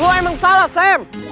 lu emang salah sam